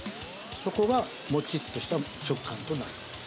そこがもちっとした食感となります。